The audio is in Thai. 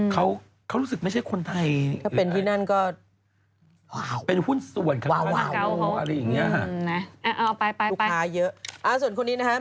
เขารู้สึกไม่ใช่คนไทย